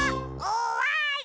おわり！